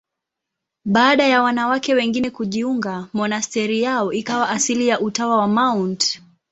Baada ya wanawake wengine kujiunga, monasteri yao ikawa asili ya Utawa wa Mt.